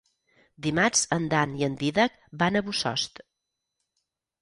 Dimarts en Dan i en Dídac van a Bossòst.